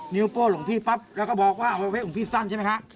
โป้หลวงพี่ปั๊บแล้วก็บอกว่าเอาไว้หลวงพี่สั้นใช่ไหมฮะ